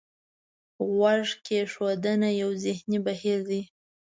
غوږ کېښودنه یو ذهني بهیر دی.